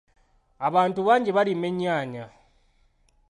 Abantu bangi balima ennyaanya.